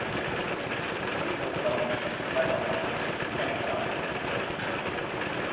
Turbofan, armamento, kamikazes